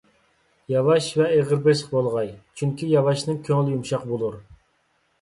ياۋاش ۋە ئېغىر - بېسىق بولغاي، چۈنكى ياۋاشنىڭ كۆڭلى يۇمشاق بولۇر.